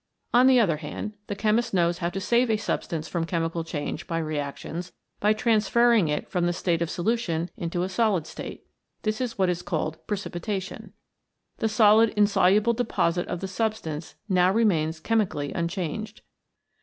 On the other hand, the chemist knows how to save a substance from chemical change by reactions, by transferring it from the state of solution into a solid state. This is what is called precipitation. The solid insoluble deposit of the substance now remains chemically unchanged.